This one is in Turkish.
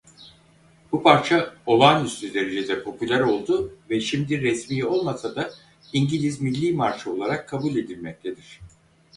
Bu parça olağanüstü derecede popüler oldu ve şimdi resmi olmasa da İngiliz milli marşı olarak kabul edilmektedir.